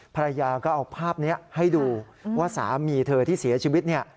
ภรรยาก็เอาภาพนี้ให้ดูว่าสามีเธอที่เสียชีวิตเนี่ย